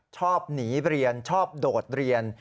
ชอบหนีเรียนชอบโดดเรียน